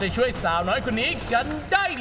ช่วยแบ่งปั่นห่องใจ